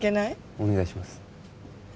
お願いします